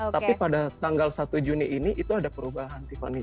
tapi pada tanggal satu juni ini itu ada perubahan tiffany